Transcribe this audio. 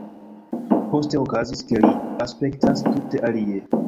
Poste okazis, ke li aspektas tute alie.